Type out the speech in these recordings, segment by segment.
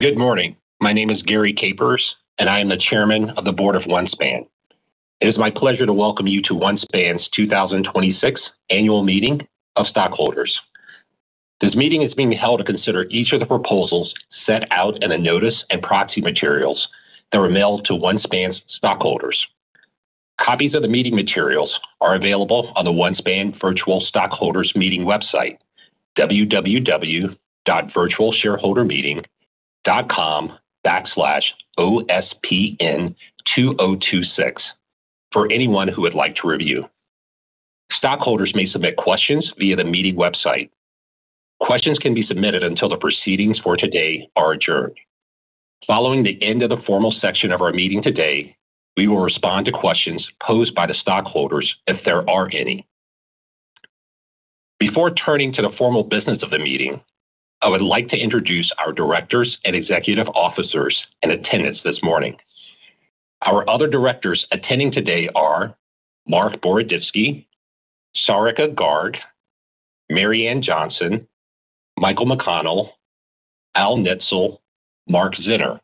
Good morning. My name is Garry Capers, and I am the Chairman of the Board of OneSpan. It is my pleasure to welcome you to OneSpan's 2026 Annual Meeting of Stockholders. This meeting is being held to consider each of the proposals set out in the notice and proxy materials that were mailed to OneSpan's stockholders. Copies of the meeting materials are available on the OneSpan virtual stockholders meeting website, www.virtualshareholdermeeting.com/ospn2026, for anyone who would like to review. Stockholders may submit questions via the meeting website. Questions can be submitted until the proceedings for today are adjourned. Following the end of the formal section of our meeting today, we will respond to questions posed by the stockholders if there are any. Before turning to the formal business of the meeting, I would like to introduce our directors and executive officers in attendance this morning. Our other directors attending today are Marc Boroditsky, Sarika Garg, Marianne Johnson, Michael McConnell, Al Nietzel, Marc Zenner.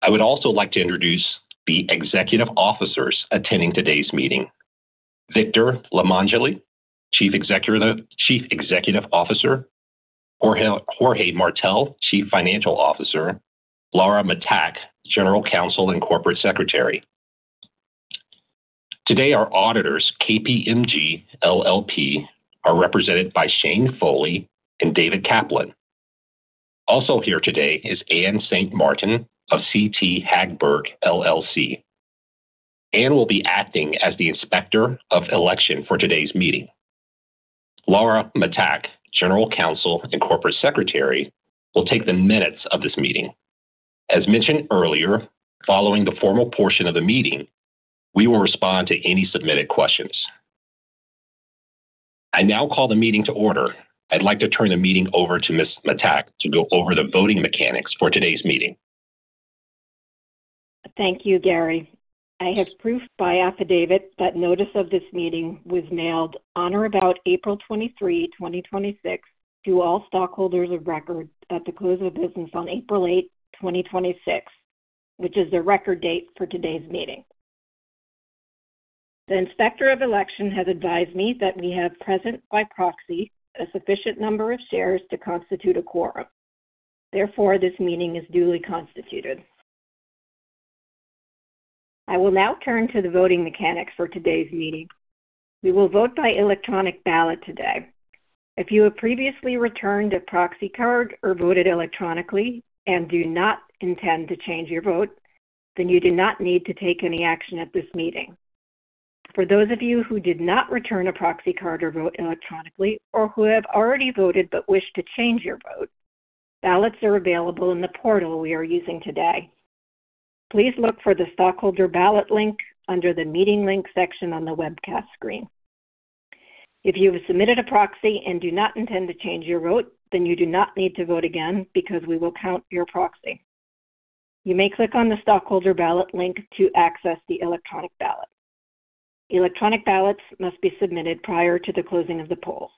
I would also like to introduce the executive officers attending today's meeting. Victor Limongelli, Chief Executive Officer. Jorge Martell, Chief Financial Officer. Lara Mataac, General Counsel and Corporate Secretary. Today, our auditors, KPMG LLP, are represented by Shane Foley and David Kaplan. Also here today is Anne St. Martin of CT Hagberg LLC. Anne will be acting as the Inspector of Election for today's meeting. Lara Mataac, General Counsel and Corporate Secretary, will take the minutes of this meeting. As mentioned earlier, following the formal portion of the meeting, we will respond to any submitted questions. I now call the meeting to order. I'd like to turn the meeting over to Ms. Mataac to go over the voting mechanics for today's meeting. Thank you, Garry. I have proof by affidavit that notice of this meeting was mailed on or about April 23, 2026, to all stockholders of record at the close of business on April 8, 2026, which is the record date for today's meeting. The Inspector of Election has advised me that we have present by proxy a sufficient number of shares to constitute a quorum. Therefore, this meeting is duly constituted. I will now turn to the voting mechanics for today's meeting. We will vote by electronic ballot today. If you have previously returned a proxy card or voted electronically and do not intend to change your vote, then you do not need to take any action at this meeting. For those of you who did not return a proxy card or vote electronically, or who have already voted but wish to change your vote, ballots are available in the portal we are using today. Please look for the Stockholder Ballot link under the Meeting links section on the webcast screen. If you have submitted a proxy and do not intend to change your vote, then you do not need to vote again because we will count your proxy. You may click on the Stockholder Ballot link to access the electronic ballot. Electronic ballots must be submitted prior to the closing of the polls.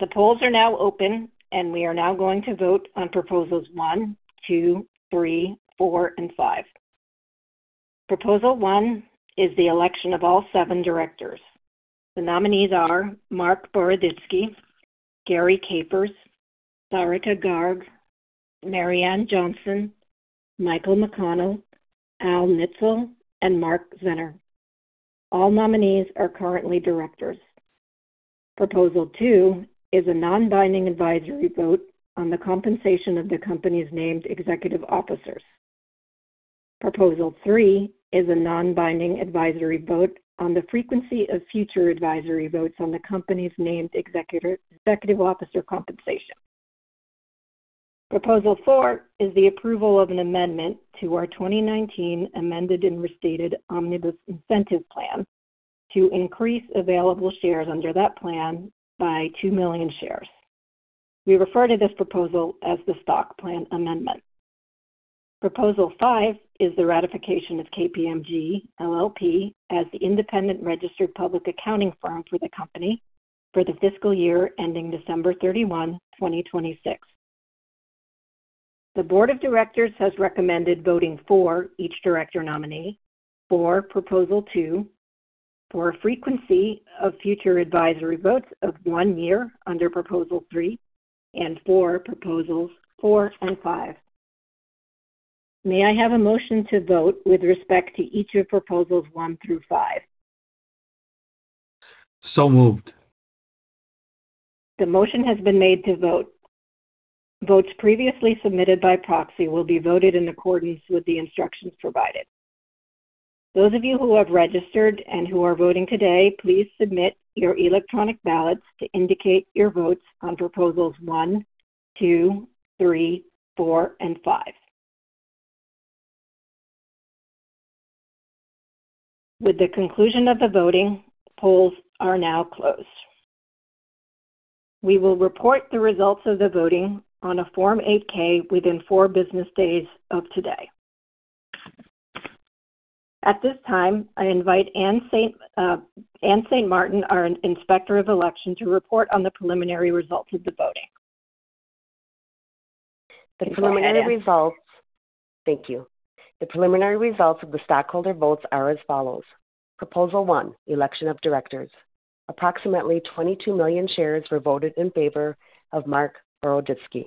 The polls are now open, and we are now going to vote on Proposals 1, 2 3, 4, and 5. Proposal 1 is the election of all seven directors. The nominees are Marc Boroditsky, Garry Capers, Sarika Garg, Marianne Johnson, Michael McConnell, Al Nietzel, and Marc Zenner. All nominees are currently directors. Proposal 2 is a non-binding advisory vote on the compensation of the company's named executive officers. Proposal 3 is a non-binding advisory vote on the frequency of future advisory votes on the company's named executive officer compensation. Proposal 4 is the approval of an amendment to our 2019 Amended and Restated Omnibus Incentive Plan to increase available shares under that plan by 2 million shares. We refer to this proposal as the stock plan amendment. Proposal 5 is the ratification of KPMG LLP as the independent registered public accounting firm for the company for the fiscal year ending December 31, 2026. The board of directors has recommended voting for each director nominee, for Proposal 2, for frequency of future advisory votes of one year under Proposal 3, and for Proposals 4 and 5. May I have a motion to vote with respect to each of Proposals 1 through 5? So moved. The motion has been made to vote. Votes previously submitted by proxy will be voted in accordance with the instructions provided. Those of you who have registered and who are voting today, please submit your electronic ballots to indicate your votes on Proposals 1, 2, 3, 4, and 5. With the conclusion of the voting, polls are now closed. We will report the results of the voting on a Form 8-K within four business days of today. At this time, I invite Anne St. Martin, our Inspector of Election, to report on the preliminary results of the voting. You can go ahead, Anne. Thank you. The preliminary results of the stockholder votes are as follows. Proposal 1, election of directors. Approximately 22 million shares were voted in favor of Marc Boroditsky.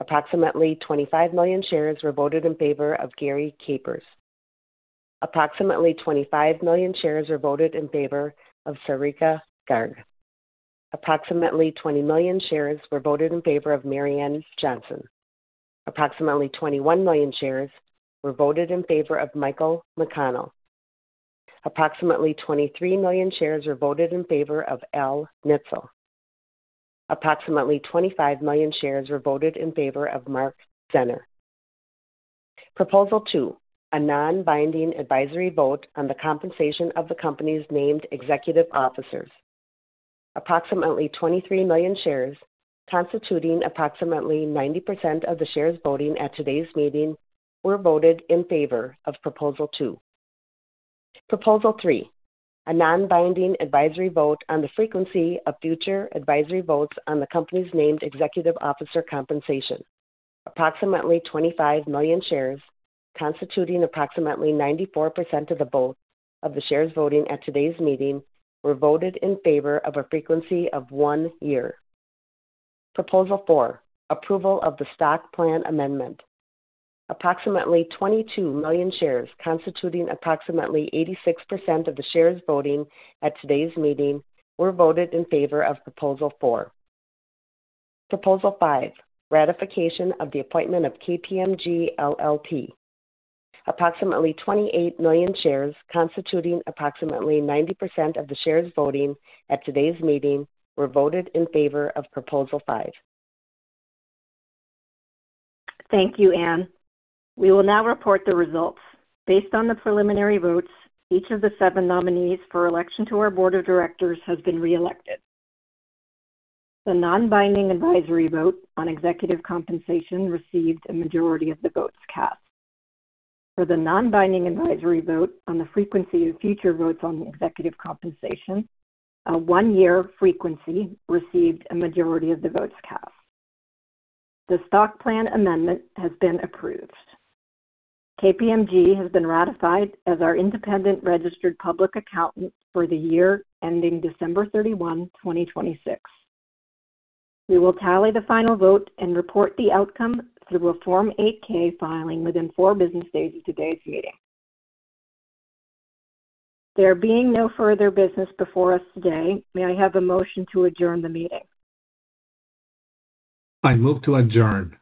Approximately 25 million shares were voted in favor of Garry Capers. Approximately 25 million shares were voted in favor of Sarika Garg. Approximately 20 million shares were voted in favor of Marianne Johnson. Approximately 21 million shares were voted in favor of Michael McConnell. Approximately 23 million shares were voted in favor of Alfred Nietzel. Approximately 25 million shares were voted in favor of Marc Zenner. Proposal 2, a non-binding advisory vote on the compensation of the company's named executive officers. Approximately 23 million shares, constituting approximately 90% of the shares voting at today's meeting, were voted in favor of Proposal 2. Proposal 3, a non-binding advisory vote on the frequency of future advisory votes on the company's named executive officer compensation. Approximately 25 million shares, constituting approximately 94% of the vote of the shares voting at today's meeting, were voted in favor of a frequency of one year. Proposal 4, approval of the stock plan amendment. Approximately 22 million shares, constituting approximately 86% of the shares voting at today's meeting, were voted in favor of Proposal 4. Proposal 5, ratification of the appointment of KPMG LLP. Approximately 28 million shares, constituting approximately 90% of the shares voting at today's meeting, were voted in favor of Proposal 5. Thank you, Anne. We will now report the results. Based on the preliminary votes, each of the seven nominees for election to our board of directors has been reelected. The non-binding advisory vote on executive compensation received a majority of the votes cast. For the non-binding advisory vote on the frequency of future votes on the executive compensation, a one-year frequency received a majority of the votes cast. The stock plan amendment has been approved. KPMG has been ratified as our independent registered public accountant for the year ending December 31, 2026. We will tally the final vote and report the outcome through a Form 8-K filing within four business days of today's meeting. There being no further business before us today, may I have a motion to adjourn the meeting? I move to adjourn.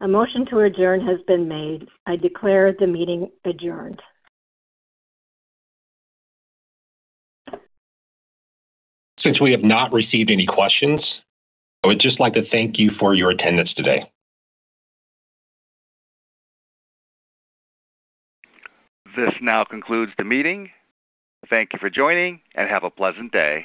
A motion to adjourn has been made. I declare the meeting adjourned. Since we have not received any questions, I would just like to thank you for your attendance today. This now concludes the meeting. Thank you for joining, and have a pleasant day.